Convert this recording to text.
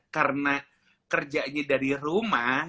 karena kerjanya dari rumah